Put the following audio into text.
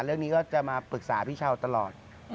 เรื่องนี้ก็จะมาปรึกษาพี่เช้าตลอด